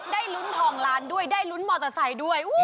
ได้ลุ้นทองล้านด้วยได้ลุ้นมอเตอร์ไซค์ด้วย